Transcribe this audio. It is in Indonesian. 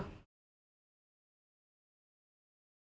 apa yang kalian inginkan untuk mencari talent